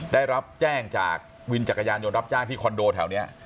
ได้รับแจ้งจากวินจักรยานยนต์รับจ้างที่คอนโดแถวนี้